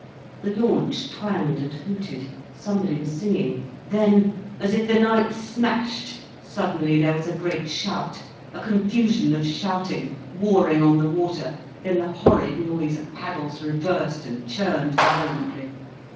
The launch twanged and hooted, somebody was singing. Then as if the night smashed, suddenly there was a great shout, a confusion of shouting, warring on the water, then the horrid noise of paddles reversed and churned violently.